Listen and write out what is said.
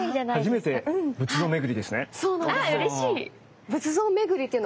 初めて仏像巡りですね。